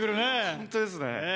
本当ですね。